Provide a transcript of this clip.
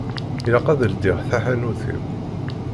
Ilaq ad ldiɣ taḥanut-iw.